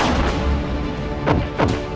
jangan lupa untuk berlangganan